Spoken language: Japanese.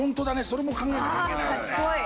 それも考えなきゃいけないのね。